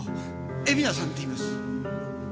海老名さんて言います。